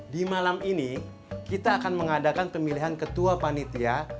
di malam ini kita akan mengadakan pemilihan ketua panitia